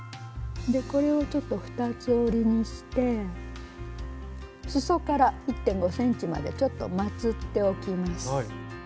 これをちょっと二つ折りにしてすそから１．５ｃｍまでちょっとまつっておきます。